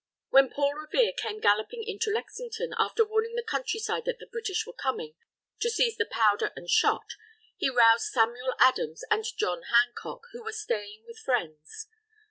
When Paul Revere came galloping into Lexington, after warning the countryside that the British were coming to seize the powder and shot, he roused Samuel Adams and John Hancock, who were staying with friends.